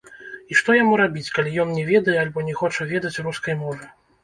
І што яму рабіць, калі ён не ведае альбо не хоча ведаць рускай мовы?